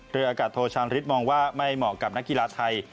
เรืออากาศโทชามฤทธิมองว่าไม่เหมาะกับนักกีฬาไทย